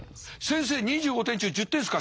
先生２５点中１０点ですか？